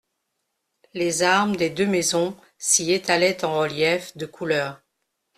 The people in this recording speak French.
Les armes des deux maisons s'y étalaient en reliefs de couleur.